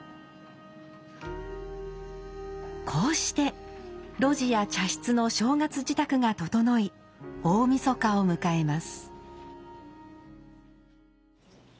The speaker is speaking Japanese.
こうして露地や茶室の正月支度が調い大晦日を迎えます。